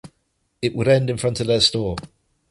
It would end in front of their store.